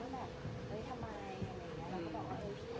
โอเคครับวันนี้ขอพอเท่านี้นะครับ